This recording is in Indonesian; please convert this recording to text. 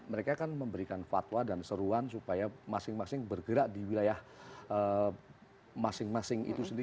mereka kan memberikan fatwa dan seruan supaya masing masing bergerak di wilayah masing masing itu sendiri